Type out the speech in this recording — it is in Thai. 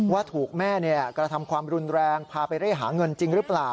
ว่าถูกแม่กระทำความรุนแรงพาไปเร่หาเงินจริงหรือเปล่า